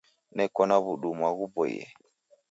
Neko na w'udumwa ghuboie.